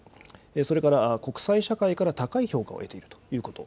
それから国際社会から高い評価を得ているということ。